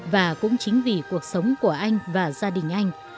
và cũng chính vì cuộc sống của anh và gia đình anh